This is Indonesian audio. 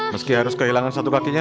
meski harus kehilangan satu kakinya